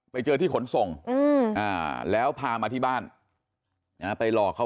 ไปเจอที่ขนส่งแล้วพามาที่บ้านไปหลอกเขา